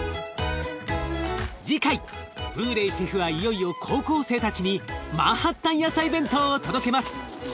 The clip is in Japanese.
次回ブーレイシェフはいよいよ高校生たちにマンハッタン野菜ＢＥＮＴＯを届けます。